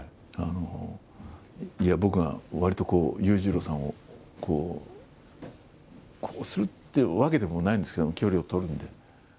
いや、僕がわりとこう、裕次郎さんをこう、こうするってわけでもないんですけど、距離を取るので。